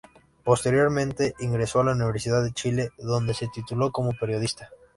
Posteriormente ingresó a la Universidad de Chile, donde se tituló como Periodista.